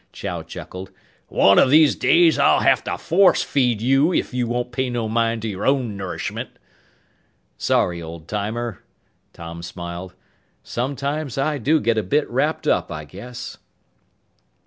Chow chuckled. "One o' these days I'll have to force feed you if you won't pay no mind to your own nourishment!" "Sorry, old timer." Tom smiled. "Sometimes I do get a bit wrapped up, I guess."